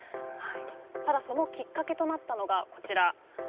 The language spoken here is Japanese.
ただそのきっかけとなったのがこちら。